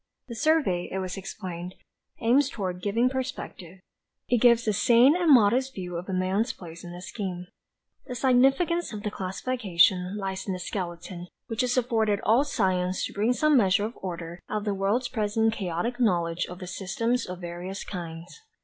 "The survey," it was explained, "aims toward giving perspective. It gives a sane and modest view of man's place in the scheme. "The significance of the classification lies in the skeleton which is afforded all science to bring some measure of order out of the world's present chaotic knowledge of the systems of various kinds.